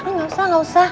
enggak usah enggak usah